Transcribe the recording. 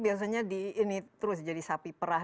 biasanya di ini terus jadi sapi perah